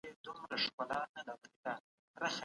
ټولنه او سياست يو له بله نسي جلا کيدای.